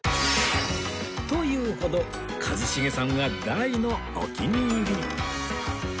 と言うほど一茂さんは大のお気に入り